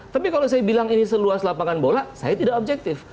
tapi kalau saya bilang ini seluas lapangan bola saya tidak objektif